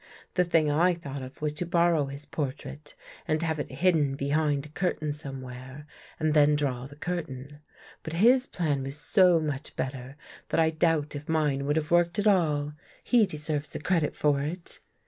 The thing I thought of was to borrow his portrait and have It hidden behind a curtain somewhere and then draw the curtain. But his plan was so much better, that I doubt if mine would have worked at all. He deserves the credit for it."